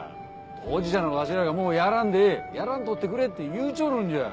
当事者のわしらがもうやらんでええやらんとってくれって言うちょるんじゃ！